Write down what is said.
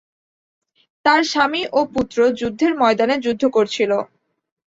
তার স্বামী ও পুত্র যুদ্ধের ময়দানে যুদ্ধ করছিল।